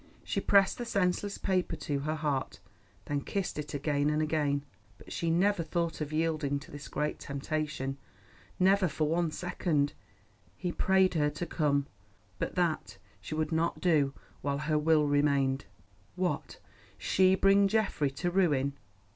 She pressed the senseless paper to her heart, then kissed it again and again. But she never thought of yielding to this great temptation, never for one second. He prayed her to come, but that she would not do while her will remained. What, she bring Geoffrey to ruin?